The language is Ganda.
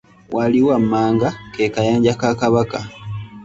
Wali wammanga ke kayanja ka kabaka.